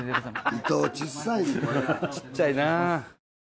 ちっちゃいなぁ。